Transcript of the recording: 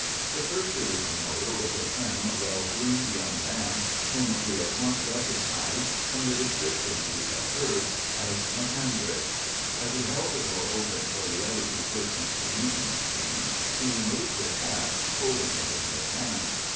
The first to leave the motor was a trim, well groomed young man, whom we at once recognised, from the descriptions we had heard, as Macondray. As he held the door open for the other two persons to leave the machine, he removed his hat, holding it in his hand.